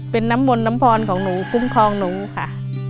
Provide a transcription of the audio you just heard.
เป็นน้ำมนต์น้ำพรของหนูคุ้มครองหนูค่ะ